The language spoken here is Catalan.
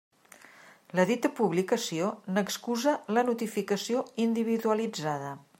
La dita publicació n'excusa la notificació individualitzada.